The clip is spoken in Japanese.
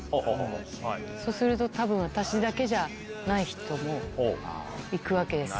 そうすると、たぶん私だけじゃない人もいくわけですよ。